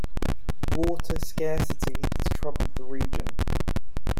Water scarcity has troubled the region.